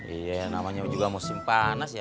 iya namanya juga musim panas ya